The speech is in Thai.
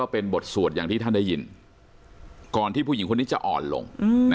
เป็นบทสวดอย่างที่ท่านได้ยินก่อนที่ผู้หญิงคนนี้จะอ่อนลง